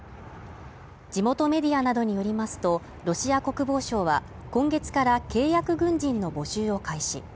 地元メディアなどによりますと、ロシア国防省は今月から契約軍人の募集を開始。